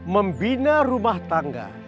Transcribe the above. membina rumah tangga